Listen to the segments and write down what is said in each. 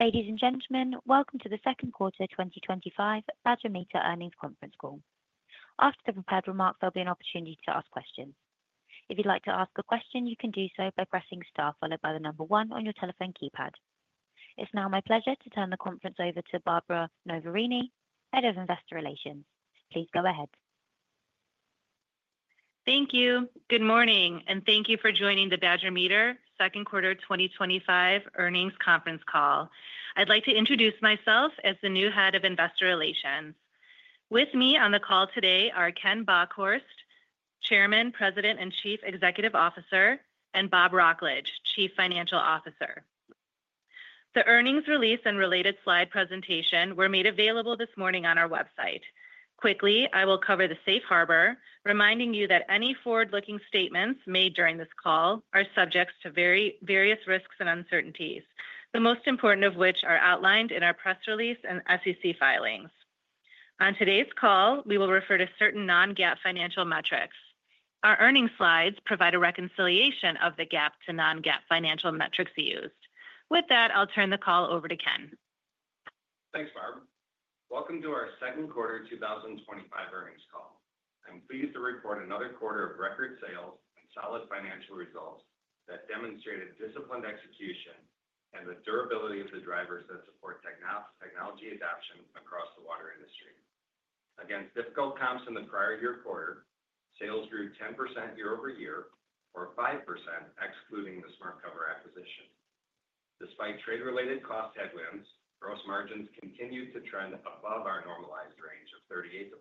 Ladies and gentlemen, welcome to the Second Quarter 2025 Badger Meter Earnings Conference Call. After the prepared remarks, there'll be an opportunity to ask questions. If you'd like to ask a question, you can do so by pressing star followed by the number one on your telephone keypad. It's now my pleasure to turn the conference over to Barbara Noverini, Head of Investor Relations. Please go ahead. Thank you. Good morning, and thank you for joining the Badger Meter Second Quarter 2025 Earnings Conference Call. I'd like to introduce myself as the new Head of Investor Relations. With me on the call today are Ken Bockhorst, Chairman, President and Chief Executive Officer, and Bob Wrocklage, Chief Financial Officer. The earnings release and related slide presentation were made available this morning on our website. Quickly, I will cover the safe harbor, reminding you that any forward-looking statements made during this call are subject to various risks and uncertainties, the most important of which are outlined in our press release and SEC filings. On today's call, we will refer to certain non-GAAP financial metrics. Our earnings slides provide a reconciliation of the GAAP to non-GAAP financial metrics used. With that, I'll turn the call over to Ken. Thanks, Barbara. Welcome to our Second Quarter 2025 Earnings Call. I'm pleased to report another quarter of record sales and solid financial results that demonstrated disciplined execution and the durability of the drivers that support technology adoption across the water industry. Against difficult comps in the prior year quarter, sales grew 10% year-over-year, or 5% excluding the SmartCover acquisition. Despite trade-related cost headwinds, gross margins continued to trend above our normalized range of 38%-40%,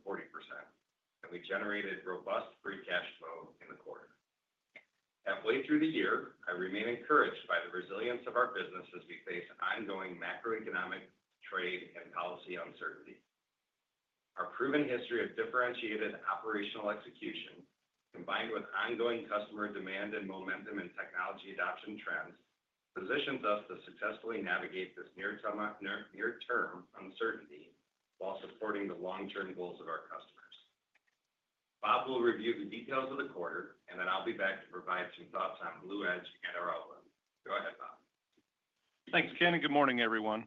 and we generated robust free cash flow in the quarter. Halfway through the year, I remain encouraged by the resilience of our business as we face ongoing macroeconomic trade and policy uncertainty. Our proven history of differentiated operational execution, combined with ongoing customer demand and momentum in technology adoption trends, positions us to successfully navigate this near-term uncertainty while supporting the long-term goals of our customers. Bob will review the details of the quarter, and then I'll be back to provide some thoughts on BlueEdge and our outlook. Go ahead, Bob. Thanks, Ken, and good morning, everyone.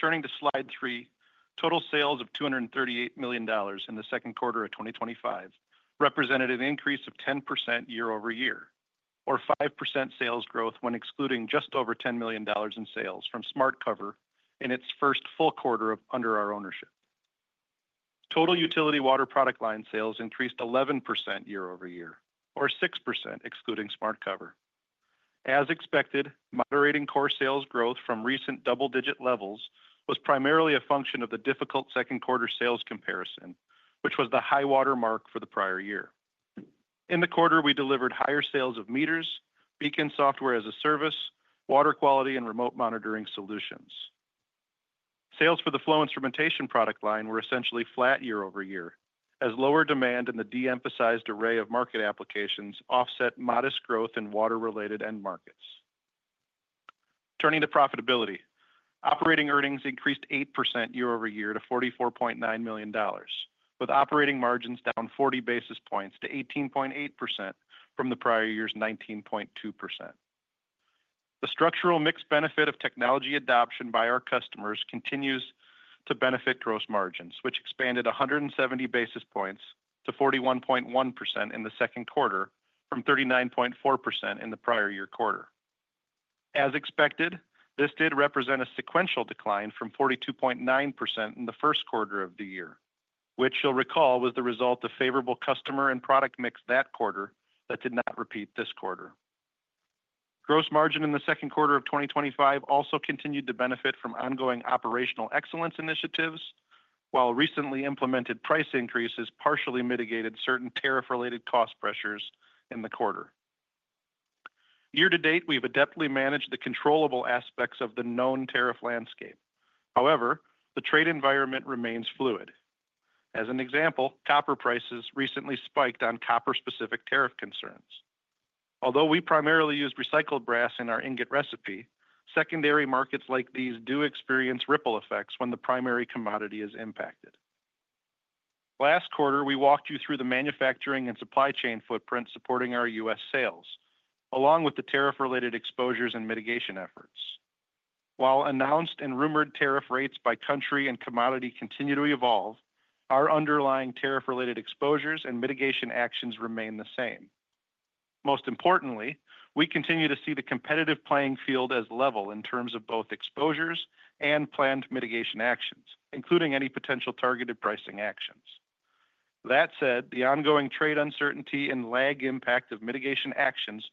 Turning to slide three, total sales of $238 million in the second quarter of 2025 represented an increase of 10% year-over-year, or 5% sales growth when excluding just over $10 million in sales from SmartCover in its first full quarter under our ownership. Total utility water product line sales increased 11% year-over-year, or 6% excluding SmartCover. As expected, moderating core sales growth from recent double-digit levels was primarily a function of the difficult second quarter sales comparison, which was the high water mark for the prior year. In the quarter, we delivered higher sales of meters, BEACON Software-as-a-Service, water quality, and remote monitoring solutions. Sales for the flow instrumentation product line were essentially flat year-over-year, as lower demand in the de-emphasized array of market applications offset modest growth in water-related end markets. Turning to profitability, operating earnings increased 8% year-over-year to $44.9 million, with operating margins down 40 basis points to 18.8% from the prior year's 19.2%. The structural mix benefit of technology adoption by our customers continues to benefit gross margins, which expanded 170 basis points to 41.1% in the second quarter from 39.4% in the prior year quarter. As expected, this did represent a sequential decline from 42.9% in the first quarter of the year, which you'll recall was the result of favorable customer and product mix that quarter that did not repeat this quarter. Gross margin in the second quarter of 2025 also continued to benefit from ongoing operational excellence initiatives, while recently implemented price increases partially mitigated certain tariff-related cost pressures in the quarter. Year to date, we've adeptly managed the controllable aspects of the known tariff landscape. However, the trade environment remains fluid. As an example, copper prices recently spiked on copper-specific tariff concerns. Although we primarily use recycled brass in our ingot recipe, secondary markets like these do experience ripple effects when the primary commodity is impacted. Last quarter, we walked you through the manufacturing and supply chain footprint supporting our U.S. sales, along with the tariff-related exposures and mitigation efforts. While announced and rumored tariff rates by country and commodity continue to evolve, our underlying tariff-related exposures and mitigation actions remain the same. Most importantly, we continue to see the competitive playing field as level in terms of both exposures and planned mitigation actions, including any potential targeted pricing actions. That said, the ongoing trade uncertainty and lag impact of mitigation actions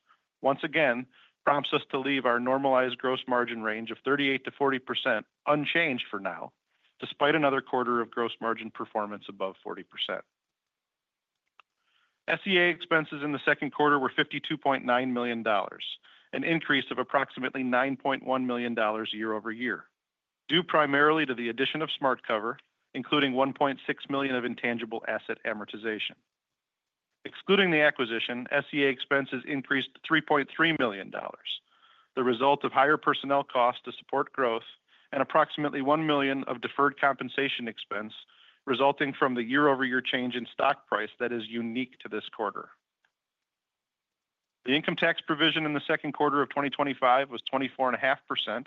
once again prompts us to leave our normalized gross margin range of 38%-40% unchanged for now, despite another quarter of gross margin performance above 40%. SEA expenses in the second quarter were $52.9 million, an increase of approximately $9.1 million year-over-year, due primarily to the addition of SmartCover, including $1.6 million of intangible asset amortization. Excluding the acquisition, SEA expenses increased $3.3 million, the result of higher personnel costs to support growth and approximately $1 million of deferred compensation expense resulting from the year-over-year change in stock price that is unique to this quarter. The income tax provision in the second quarter of 2025 was 24.5%,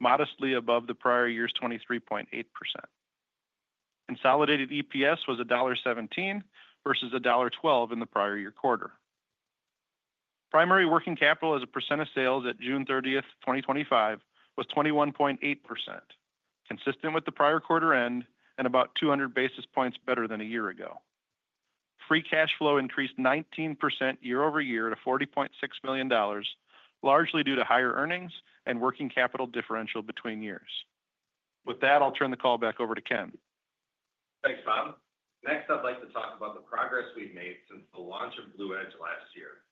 modestly above the prior year's 23.8%. Consolidated EPS was $1.17 versus $1.12 in the prior year quarter. Primary working capital as a percent of sales at June 30th, 2025 was 21.8%, consistent with the prior quarter end and about 200 basis points better than a year ago. Free cash flow increased 19% year-over-year to $40.6 million, largely due to higher earnings and working capital differential between years. With that, I'll turn the call back over to Ken. Thanks, Bob. Next, I'd like to talk about the progress we've made since the launch of BlueEdge last year.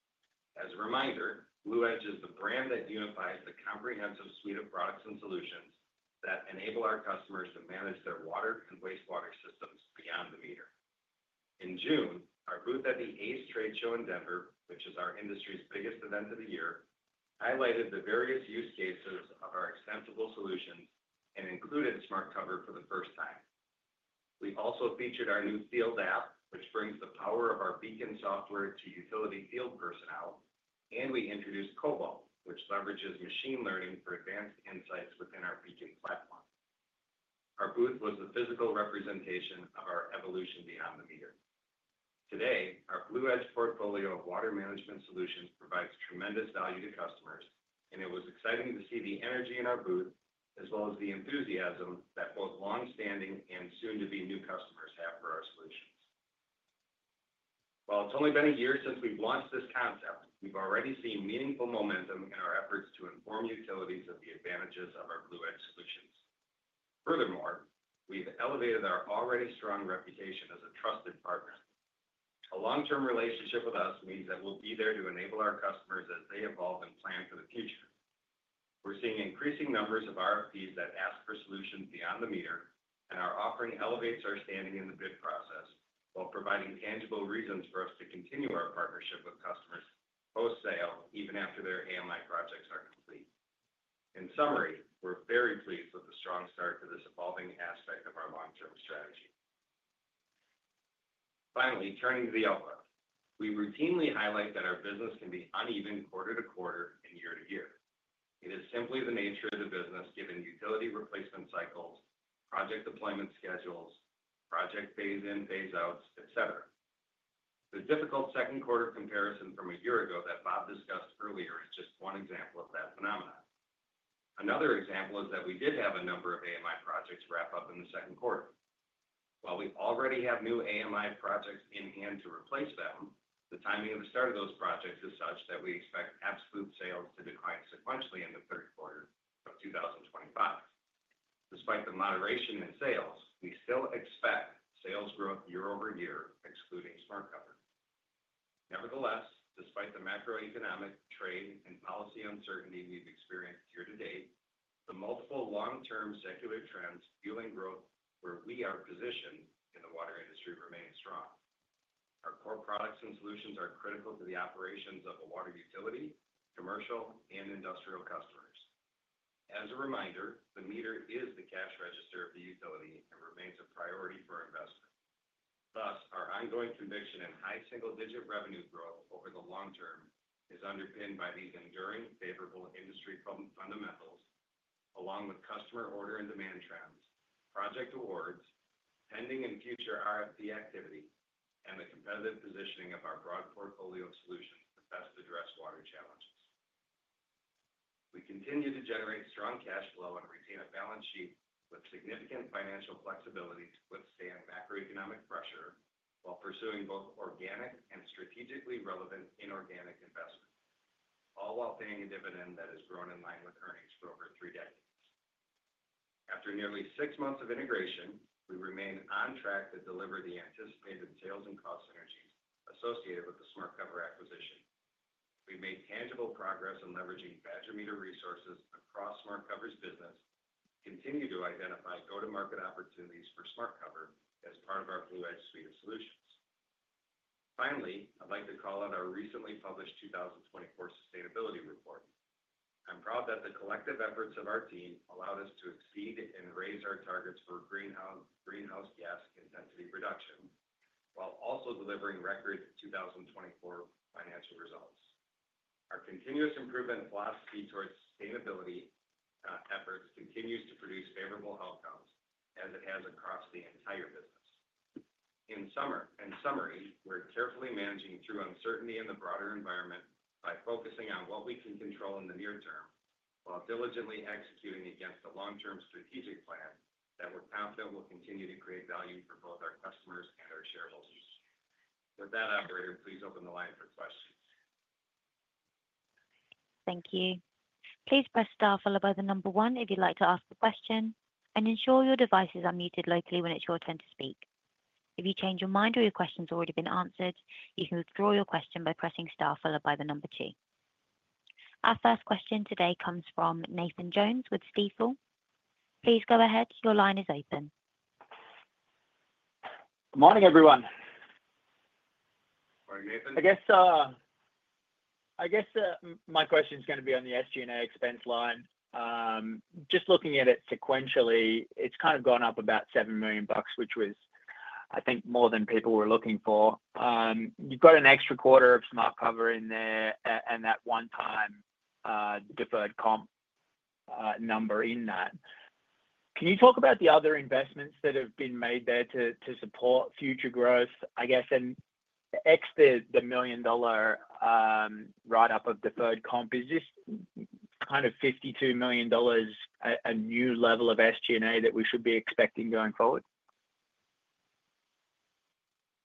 As a reminder, BlueEdge is the brand that unifies the comprehensive suite of products and solutions that enable our customers to manage their water and wastewater systems beyond the meter. In June, our booth at the ACE Trade Show in Denver, which is our industry's biggest event of the year, highlighted the various use cases of our exceptional solutions and included SmartCover for the first time. We also featured our new field app, which brings the power of our BEACON software to utility field personnel, and we introduced Cobalt, which leverages machine learning for advanced insights within our BEACON platform. Our booth was the physical representation of our evolution beyond the meter. Today, our BlueEdge portfolio of water management solutions provides tremendous value to customers, and it was exciting to see the energy in our booth, as well as the enthusiasm that both longstanding and soon-to-be new customers have for our solutions. While it's only been a year since we've launched this concept, we've already seen meaningful momentum in our efforts to inform utilities of the advantages of our BlueEdge solutions. Furthermore, we've elevated our already strong reputation as a trusted partner. A long-term relationship with us means that we'll be there to enable our customers as they evolve and plan for the future. We're seeing increasing numbers of RFPs that ask for solutions beyond the meter, and our offering elevates our standing in the bid process while providing tangible reasons for us to continue our partnership with customers post-sale, even after their AMI projects are complete. In summary, we're very pleased with the strong start to this evolving aspect of our long-term strategy. Finally, turning to the outlook, we routinely highlight that our business can be uneven quarter to quarter and year to year. It is simply the nature of the business given utility replacement cycles, project deployment schedules, project phase-in, phase-outs, etc. The difficult second quarter comparison from a year ago that Bob discussed earlier is just one example of that phenomenon. Another example is that we did have a number of AMI projects wrap up in the second quarter. While we already have new AMI projects in hand to replace them, the timing of the start of those projects is such that we expect absolute sales to decline sequentially in the third quarter of 2025. Despite the moderation in sales, we still expect sales growth year-over-year, excluding SmartCover. Nevertheless, despite the macroeconomic trade and policy uncertainty we've experienced year to date, the multiple long-term secular trends fueling growth where we are positioned in the water industry remain strong. Our core products and solutions are critical to the operations of a water utility, commercial, and industrial customers. As a reminder, the meter is the cash register of the utility and remains a priority for investment. Thus, our ongoing conviction in high single-digit revenue growth over the long term is underpinned by these enduring favorable industry fundamentals, along with customer order and demand trends, project awards, pending and future RFP activity, and the competitive positioning of our broad portfolio of solutions to best address water challenges. We continue to generate strong cash flow and retain a balance sheet with significant financial flexibility to withstand macroeconomic pressure while pursuing both organic and strategically relevant inorganic investment, all while paying a dividend that has grown in line with earnings for over three decades. After nearly six months of integration, we remain on track to deliver the anticipated sales and cost synergies associated with the SmartCover acquisition. We've made tangible progress in leveraging Badger Meter resources across SmartCover's business, continue to identify go-to-market opportunities for SmartCover as part of our BlueEdge suite of solutions. Finally, I'd like to call out our recently published 2024 sustainability report. I'm proud that the collective efforts of our team allowed us to exceed and raise our targets for greenhouse gas intensity reduction while also delivering record 2024 financial results. Our continuous improvement philosophy towards sustainability efforts continues to produce favorable outcomes as it has across the entire business. In summary, we're carefully managing through uncertainty in the broader environment by focusing on what we can control in the near term while diligently executing against a long-term strategic plan that we're confident will continue to create value for both our customers and our shareholders. With that, operator, please open the line for questions. Thank you. Please press star followed by the number one if you'd like to ask a question and ensure your devices are muted locally when it's your turn to speak. If you change your mind or your question's already been answered, you can withdraw your question by pressing star followed by the number two. Our first question today comes from Nathan Jones with Stifel. Please go ahead. Your line is open. Morning everyone. Morning, Nathan. I guess my question's going to be on the SG&A expense line. Just looking at it sequentially, it's kind of gone up about $7 million, which was, I think, more than people were looking for. You've got an extra quarter of SmartCover in there and that one-time deferred comp number in that. Can you talk about the other investments that have been made there to support future growth? I guess, and excluding the million-dollar write-up of deferred comp, is just kind of $52 million a new level of SG&A that we should be expecting going forward?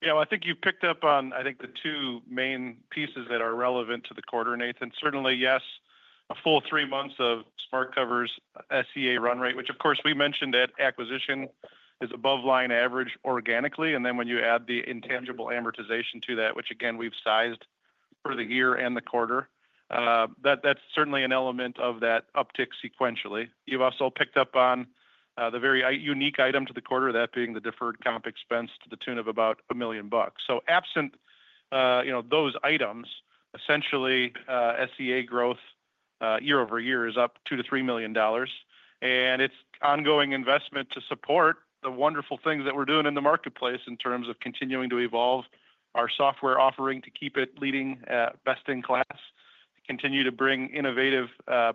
I think you picked up on, I think, the two main pieces that are relevant to the quarter, Nathan. Certainly, yes, a full three months of SmartCover's SEA run rate, which, of course, we mentioned that acquisition is above line average organically. When you add the intangible amortization to that, which again we've sized for the year and the quarter, that's certainly an element of that uptick sequentially. You've also picked up on the very unique item to the quarter, that being the deferred comp expense to the tune of about $1 million. Absent those items, essentially, SEA growth year-over-year is up $2 million to $3 million. It's ongoing investment to support the wonderful things that we're doing in the marketplace in terms of continuing to evolve our software offering to keep it leading at best in class, to continue to bring innovative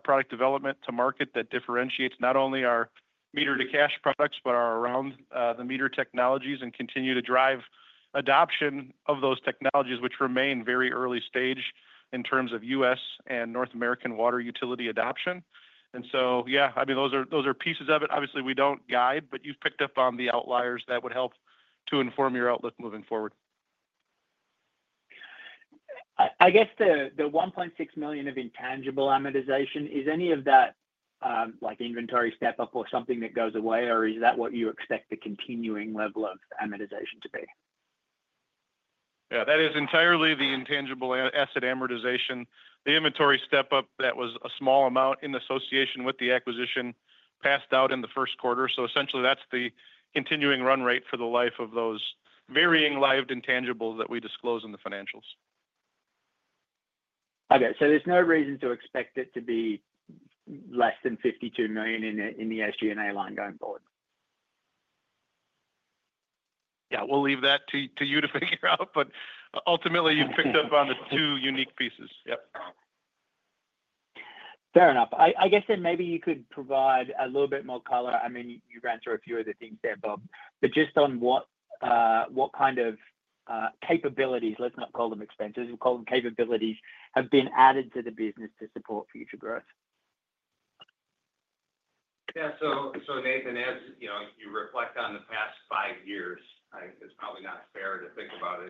product development to market that differentiates not only our meter-to-cash products but our around-the-meter technologies and continue to drive adoption of those technologies, which remain very early stage in terms of U.S. and North American water utility adoption. I mean, those are pieces of it. Obviously, we don't guide, but you've picked up on the outliers that would help to inform your outlook moving forward. I guess the $1.6 million of intangible amortization, is any of that like inventory step-up or something that goes away, or is that what you expect the continuing level of amortization to be? Yeah, that is entirely the intangible asset amortization. The inventory step-up that was a small amount in association with the acquisition passed out in the first quarter. Essentially, that's the continuing run rate for the life of those varying lived intangibles that we disclose in the financials. Okay, so there's no reason to expect it to be less than $52 million in the SG&A line going forward? Yeah, we'll leave that to you to figure out. Ultimately, you've picked up on the two unique pieces. Yep. Fair enough. I guess then maybe you could provide a little bit more color. I mean, you ran through a few of the things there, Bob, just on what kind of capabilities, let's not call them expenses, we'll call them capabilities, have been added to the business to support future growth? Yeah, so Nathan, as you reflect on the past five years, I think it's probably not fair to think about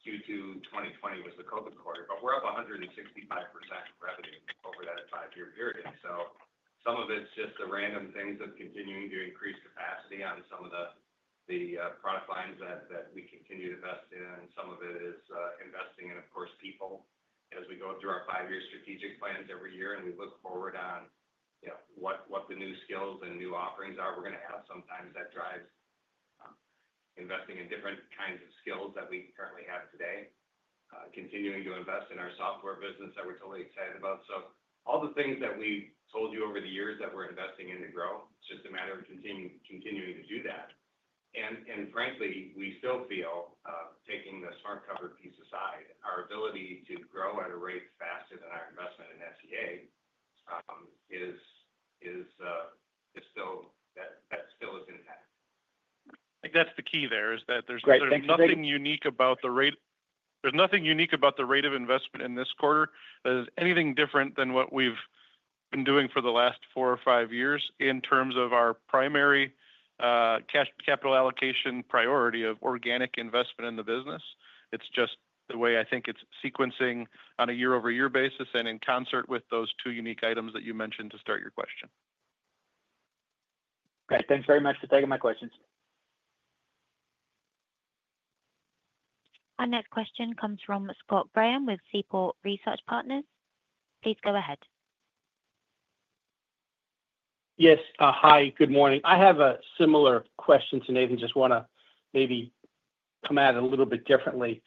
it because Q2 2020 was the COVID quarter, but we're up 165% in revenue over that five-year period. Some of it's just the random things of continuing to increase capacity on some of the product lines that we continue to invest in, and some of it is investing in, of course, people. As we go through our five-year strategic plans every year and we look forward on, you know, what the new skills and new offerings are we're going to have, sometimes that drives investing in different kinds of skills that we currently have today. Continuing to invest in our software business that we're totally excited about. All the things that we told you over the years that we're investing in to grow, it's just a matter of continuing to do that. Frankly, we still feel, taking the SmartCover piece aside, our ability to grow at a rate faster than our investment in SEA is still intact. I think that's the key there, is that there's nothing unique about the rate. There's nothing unique about the rate of investment in this quarter that is anything different than what we've been doing for the last four or five years in terms of our primary cash capital allocation priority of organic investment in the business. It's just the way I think it's sequencing on a year-over-year basis, and in concert with those two unique items that you mentioned to start your question. Great. Thanks very much for taking my questions. Our next question comes from Scott Graham with Seaport Research Partners. Please go ahead. Yes. Hi, good morning. I have a similar question to Nathan, just want to maybe come at it a little bit differently.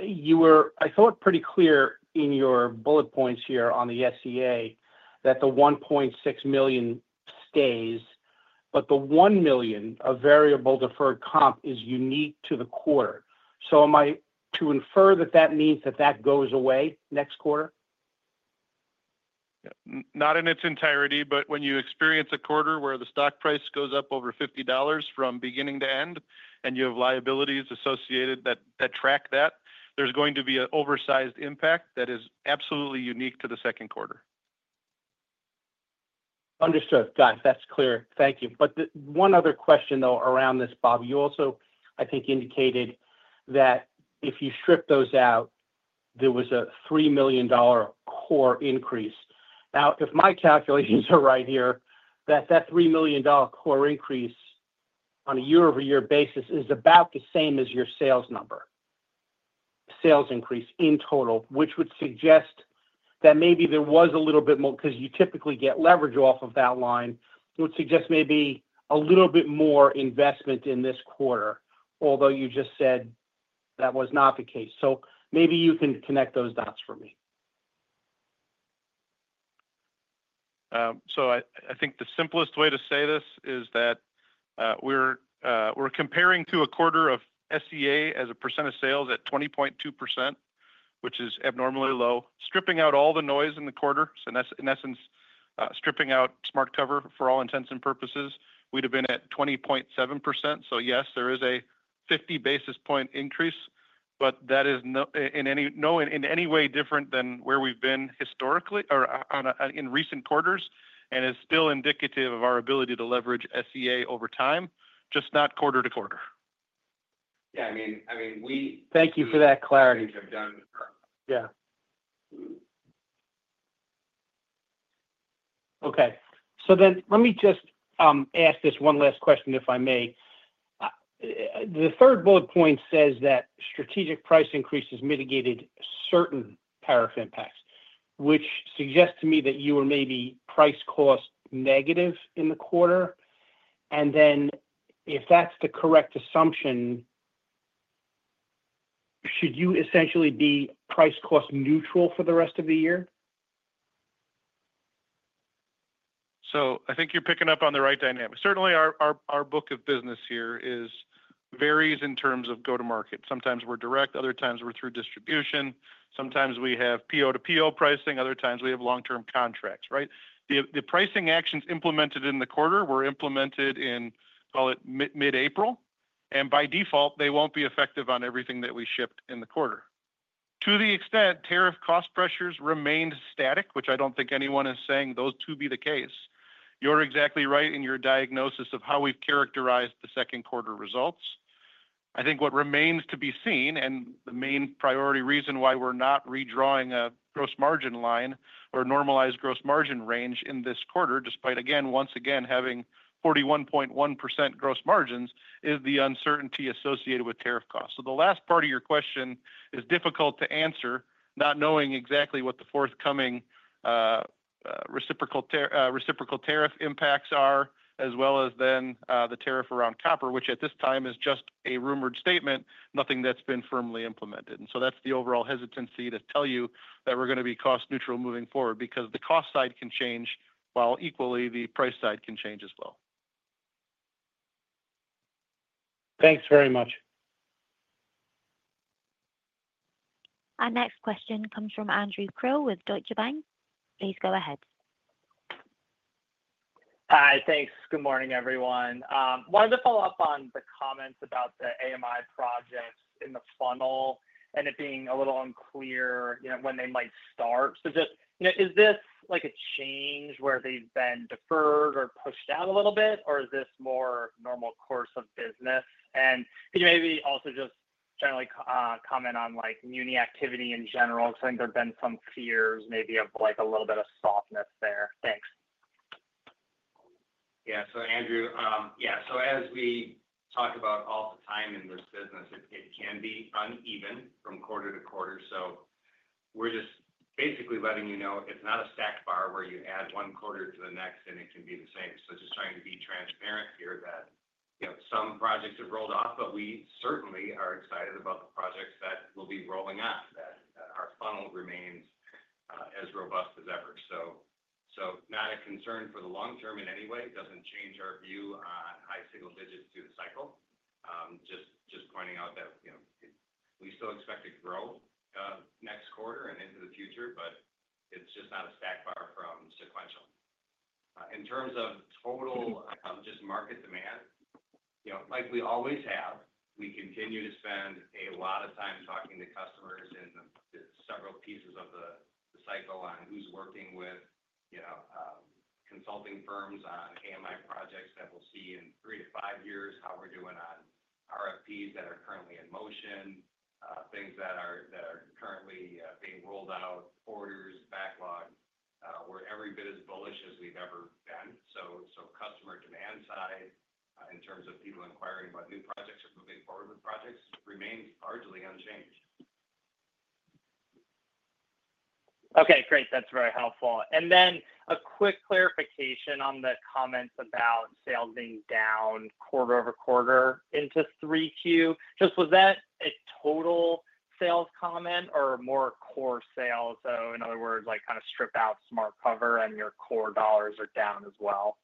You were, I thought, pretty clear in your bullet points here on the SEA that the $1.6 million stays, but the $1 million of variable deferred comp is unique to the quarter. Am I to infer that that means that that goes away next quarter? Not in its entirety, but when you experience a quarter where the stock price goes up over $50 from beginning to end and you have liabilities associated that track that, there's going to be an oversized impact that is absolutely unique to the second quarter. Understood. Got it. That's clear. Thank you. One other question, though, around this, Bob, you also, I think, indicated that if you strip those out, there was a $3 million core increase. Now, if my calculations are right here, that $3 million core increase on a year-over-year basis is about the same as your sales number, sales increase in total, which would suggest that maybe there was a little bit more, because you typically get leverage off of that line, would suggest maybe a little bit more investment in this quarter, although you just said that was not the case. Maybe you can connect those dots for me. I think the simplest way to say this is that we're comparing to a quarter of SEA as a percent of sales at 20.2%, which is abnormally low. Stripping out all the noise in the quarter, in essence, stripping out SmartCover for all intents and purposes, we'd have been at 20.7%. Yes, there is a 50 basis point increase, but that is not in any way different than where we've been historically or in recent quarters and is still indicative of our ability to leverage SEA over time, just not quarter to quarter. Yeah, we thank you for that clarity, Jon. Yeah. Okay. Let me just ask this one last question, if I may. The third bullet point says that strategic price increases mitigated certain tariff impacts, which suggests to me that you were maybe price-cost negative in the quarter. If that's the correct assumption, should you essentially be price-cost neutral for the rest of the year? I think you're picking up on the right dynamic. Certainly, our book of business here varies in terms of go-to-market. Sometimes we're direct, other times we're through distribution. Sometimes we have PO to PO pricing, other times we have long-term contracts, right? The pricing actions implemented in the quarter were implemented in, call it, mid-April. By default, they won't be effective on everything that we shipped in the quarter. To the extent tariff cost pressures remain static, which I don't think anyone is saying those to be the case, you're exactly right in your diagnosis of how we've characterized the second quarter results. What remains to be seen, and the main priority reason why we're not redrawing a gross margin line or normalized gross margin range in this quarter, despite, again, once again, having 41.1% gross margins, is the uncertainty associated with tariff costs. The last part of your question is difficult to answer, not knowing exactly what the forthcoming reciprocal tariff impacts are, as well as then the tariff around copper, which at this time is just a rumored statement, nothing that's been firmly implemented. That's the overall hesitancy to tell you that we're going to be cost neutral moving forward because the cost side can change, while equally the price side can change as well. Thanks very much. Our next question comes from Andrew Krill with Deutsche Bank. Please go ahead. Hi, thanks. Good morning, everyone. Wanted to follow up on the comments about the AMI projects in the funnel and it being a little unclear, you know, when they might start. Is this like a change where they've been deferred or pushed out a little bit, or is this more normal course of business? Could you maybe also just generally comment on muni activity in general? I think there have been some fears maybe of like a little bit of softness there. Thanks. Yeah, as we talk about all the time in this business, it can be uneven from quarter to quarter. We're just basically letting you know it's not a stack bar where you add one quarter to the next and it can be the same. Just trying to be transparent here that some projects have rolled off, but we certainly are excited about the projects that will be rolling out, that our funnel remains as robust as ever. Not a concern for the long term in any way. It doesn't change our view on high single digits through the cycle. Just pointing out that we still expect to grow next quarter and into the future, but it's just not a stack bar from sequential. In terms of total market demand, like we always have, we continue to spend a lot of time talking to customers in the several pieces of the cycle on who's working with consulting firms on AMI projects that we'll see in three to five years, how we're doing on RFPs that are currently in motion, things that are currently being rolled out, orders, backlog, we're every bit as bullish as we've ever been. Customer demand side, in terms of people inquiring about new projects or moving forward with projects, remains largely unchanged. Okay, great. That's very helpful. A quick clarification on the comments about sales being down quarter over quarter into 3Q. Was that a total sales comment or more core sales? In other words, kind of strip out SmartCover and your core dollars are down as well.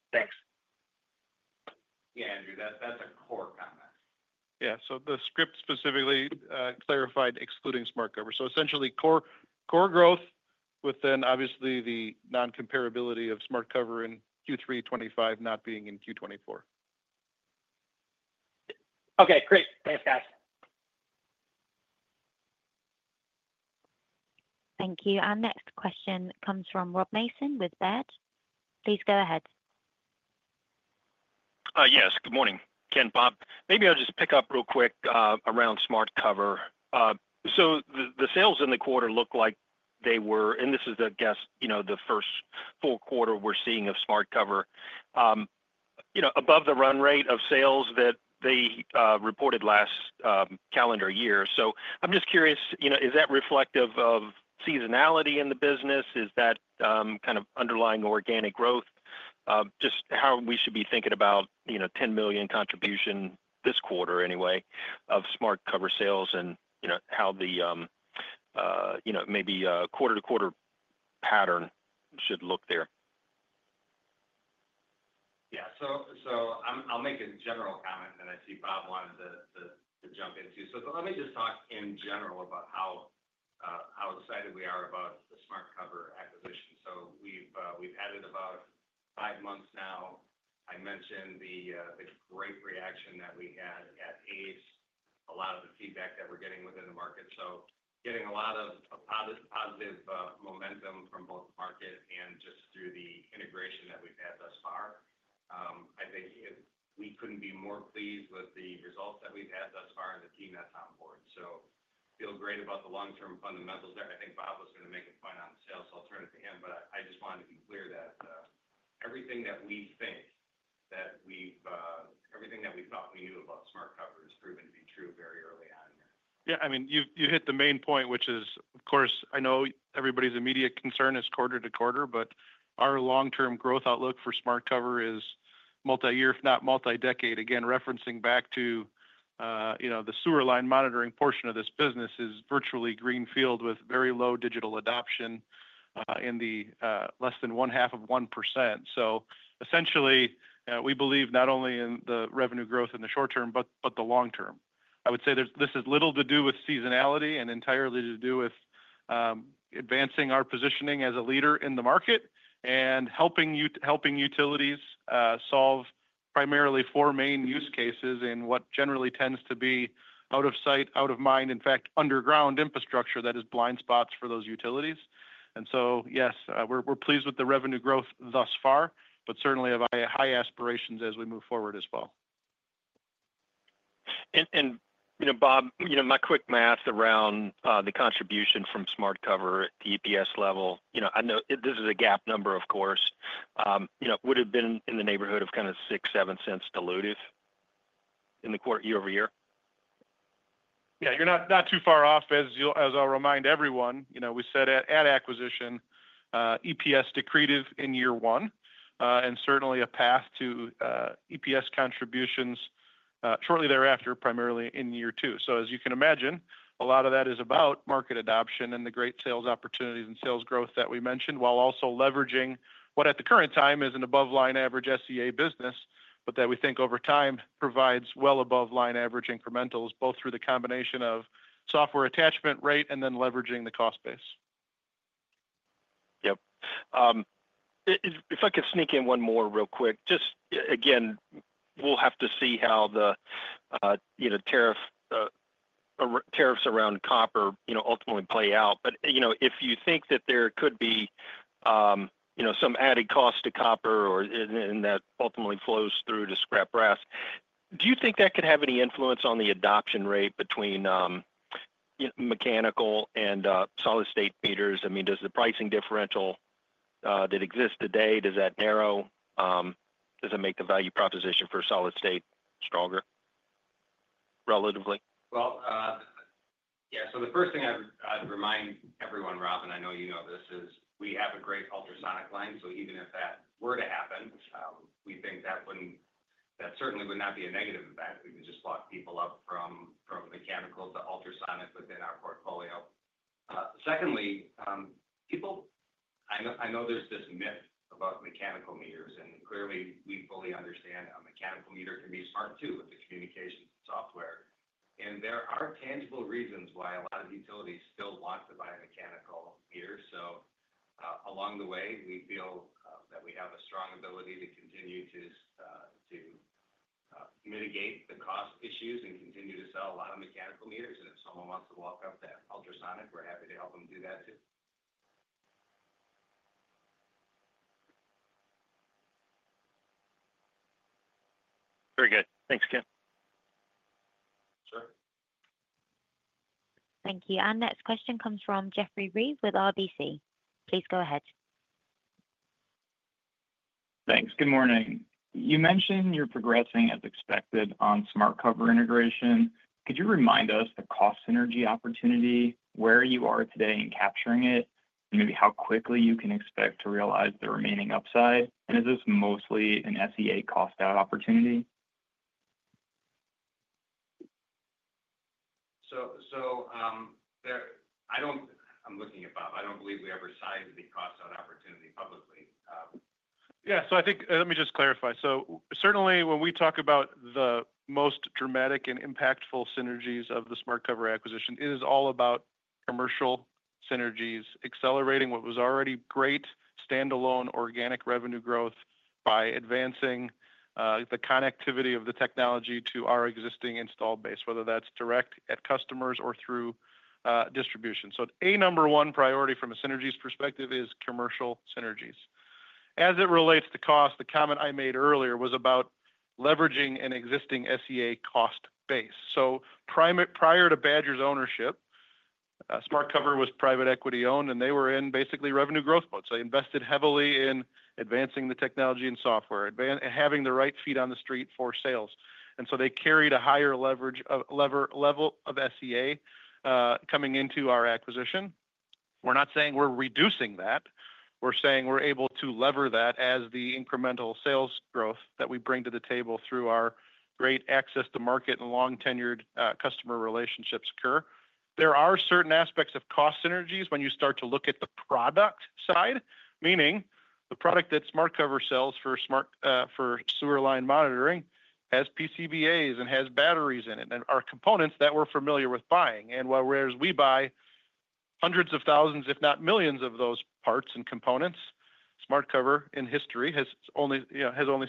Thanks. Yeah, Andrew, that's a core comment. Yeah, the script specifically clarified excluding SmartCover. Essentially, core core growth within obviously the non-comparability of SmartCover in Q3 2025 not being in Q2 2024. Okay, great. Thanks, guys. Thank you. Our next question comes from Rob Mason with Baird. Please go ahead. Yes, good morning, Ken, Bob. Maybe I'll just pick up real quick around SmartCover. The sales in the quarter look like they were, and this is the, I guess, the first full quarter we're seeing of SmartCover, above the run rate of sales that they reported last calendar year. I'm just curious, is that reflective of seasonality in the business? Is that kind of underlying organic growth? Just how we should be thinking about $10 million contribution this quarter anyway of SmartCover sales and how the, maybe a quarter-to-quarter pattern should look there. Yeah, I'll make a general comment and then I see Bob wanted to jump in. Let me just talk in general about how excited we are about the SmartCover acquisition. We've had it about five months now. I mentioned the great reaction that we had at ACE, a lot of the feedback that we're getting within the market. Getting a lot of positive momentum from both the market and just through the integration that we've had thus far. I think we couldn't be more pleased with the results that we've had thus far and the team that's on board. I feel great about the long-term fundamentals there. I think Bob was going to make a point on sales, so I'll turn it to him. I just wanted to be clear that everything that we think that we've, everything that we thought we knew about SmartCover has proven to be true very early on here. Yeah, I mean, you hit the main point, which is, of course, I know everybody's immediate concern is quarter to quarter, but our long-term growth outlook for SmartCover is multi-year, if not multi-decade. Again, referencing back to, you know, the sewer line monitoring portion of this business is virtually greenfield with very low digital adoption in the less than 1/2 of 1%. Essentially, we believe not only in the revenue growth in the short term, but the long term. I would say this has little to do with seasonality and entirely to do with advancing our positioning as a leader in the market and helping utilities solve primarily four main use cases in what generally tends to be out of sight, out of mind, in fact, underground infrastructure that is blind spots for those utilities. Yes, we're pleased with the revenue growth thus far, but certainly have high aspirations as we move forward as well. Bob, my quick math around the contribution from SmartCover at the EPS level, I know this is a GAAP number, of course, would have been in the neighborhood of kind of $0.06, $0.07 dilutive in the quarter year-over-year. Yeah, you're not too far off, as I'll remind everyone. You know, we said at acquisition, EPS decretive in year one, and certainly a path to EPS contributions shortly thereafter, primarily in year two. As you can imagine, a lot of that is about market adoption and the great sales opportunities and sales growth that we mentioned, while also leveraging what at the current time is an above-line average SEA business, but that we think over time provides well above line average incrementals, both through the combination of software attachment rate and then leveraging the cost base. If I could sneak in one more real quick, just again, we'll have to see how the tariffs around copper ultimately play out. If you think that there could be some added cost to copper and that ultimately flows through to scrap brass, do you think that could have any influence on the adoption rate between mechanical and solid state meters? I mean, does the pricing differential that exists today, does that narrow? Does it make the value proposition for solid state stronger relatively? The first thing I'd remind everyone, Rob, and I know you know this, is we have a great ultrasonic line. Even if that were to happen, we think that wouldn't, that certainly would not be a negative event. We would just lock people up from mechanical to ultrasonic within our portfolio. Secondly, people, I know there's this myth about mechanical meters, and clearly we fully understand a mechanical meter can be smart too with the communications and software. There are tangible reasons why a lot of utilities still want to buy a mechanical meter. Along the way, we feel that we have a strong ability to continue to mitigate the cost issues and continue to sell a lot of mechanical meters. If someone wants to walk up to ultrasonic, we're happy to help them do that too. Very good. Thanks, Ken. Sure. Thank you. Our next question comes from Jeffrey Reive with RBC. Please go ahead. Thanks. Good morning. You mentioned you're progressing as expected on SmartCover integration. Could you remind us the cost synergy opportunity, where you are today in capturing it, and maybe how quickly you can expect to realize the remaining upside? Is this mostly an SEA cost-out opportunity? I don't believe we ever sized the cost-out opportunity publicly. I'm looking at Bob. Yeah, I think let me just clarify. Certainly, when we talk about the most dramatic and impactful synergies of the SmartCover acquisition, it is all about commercial synergies, accelerating what was already great standalone organic revenue growth by advancing the connectivity of the technology to our existing install base, whether that's direct at customers or through distribution. The number one priority from a synergies perspective is commercial synergies. As it relates to cost, the comment I made earlier was about leveraging an existing SEA cost base. Prior to Badger Meter's ownership, SmartCover was private equity owned, and they were in basically revenue growth mode. They invested heavily in advancing the technology and software and having the right feet on the street for sales, so they carried a higher leverage level of SEA coming into our acquisition. We're not saying we're reducing that. We're saying we're able to lever that as the incremental sales growth that we bring to the table through our great access to market and long-tenured customer relationships occur. There are certain aspects of cost synergies when you start to look at the product side, meaning the product that SmartCover sells for sewer line monitoring has XPVs and has batteries in it and are components that we're familiar with buying. Whereas we buy hundreds of thousands, if not millions, of those parts and components, SmartCover in history has only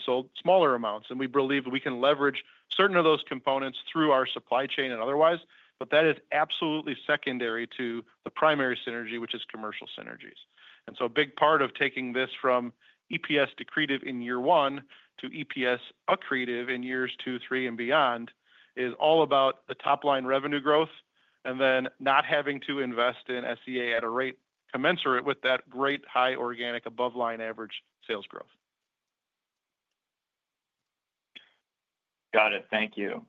sold smaller amounts. We believe we can leverage certain of those components through our supply chain and otherwise, but that is absolutely secondary to the primary synergy, which is commercial synergies. A big part of taking this from EPS decretive in year one to EPS accretive in years two, three, and beyond is all about the top line revenue growth and then not having to invest in SEA at a rate commensurate with that great high organic above line average sales growth. Got it. Thank you.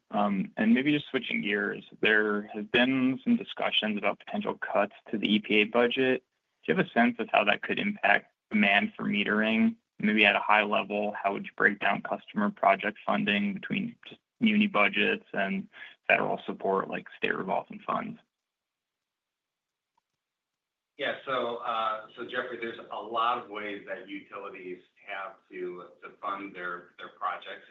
Maybe just switching gears, there have been some discussions about potential cuts to the EPA budget. Do you have a sense of how that could impact demand for metering? Maybe at a high level, how would you break down customer project funding between just muni budgets and federal support like state revolving funds? Yeah, so Jeffrey, there's a lot of ways that utilities have to fund their projects.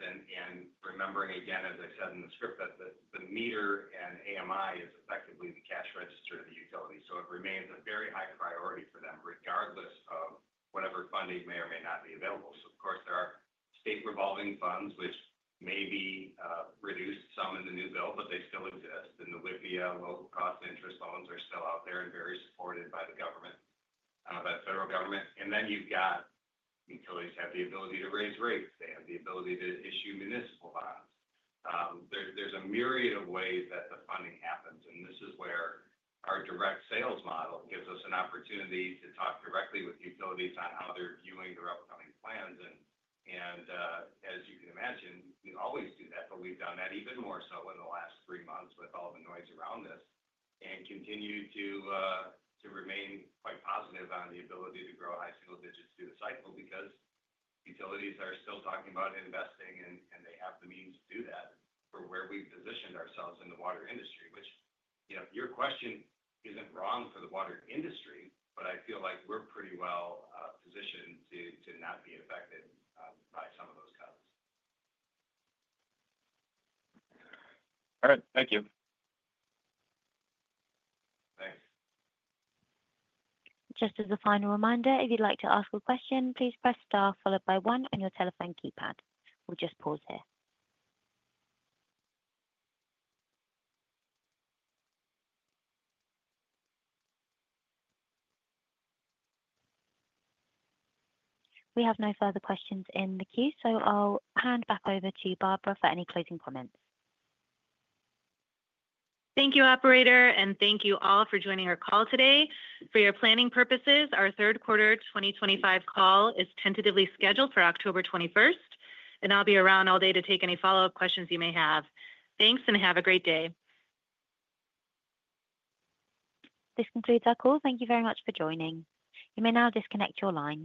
Remembering, again, as I said in the script, that the meter and AMI is effectively the cash register of the utility, it remains a very high priority for them regardless of whatever funding may or may not be available. There are state revolving funds, which may be reduced some in the new bill, but they still exist. The WIPIA, local cost interest loans are still out there and very supported by the federal government. Utilities have the ability to raise rates. They have the ability to issue municipal bonds. There's a myriad of ways that the funding happens. This is where our direct sales model gives us an opportunity to talk directly with utilities on how they're viewing their upcoming plans. As you can imagine, we always do that, but we've done that even more so in the last three months with all the noise around this and continue to remain quite positive on the ability to grow high single digits through the cycle because utilities are still talking about investing and they have the means to do that for where we've positioned ourselves in the water industry, which, you know, your question isn't wrong for the water industry, but I feel like we're pretty well positioned to not be affected by some of those cuts. All right, thank you. Thanks. Just as a final reminder, if you'd like to ask a question, please press star followed by one on your telephone keypad. We'll just pause here. We have no further questions in the queue, so I'll hand back over to Barbara for any closing comments. Thank you, operator, and thank you all for joining our call today. For your planning purposes, our third quarter 2025 call is tentatively scheduled for October 21st, and I'll be around all day to take any follow-up questions you may have. Thanks and have a great day. This concludes our call. Thank you very much for joining. You may now disconnect your line.